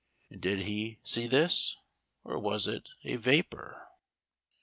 And did he see this? or was it a vapor?